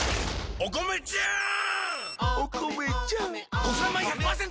お米ちゃん。